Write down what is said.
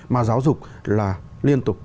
mà giáo dục là liên tục